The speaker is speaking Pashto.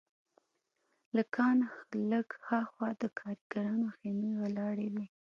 له کان لږ هاخوا د کارګرانو خیمې ولاړې وې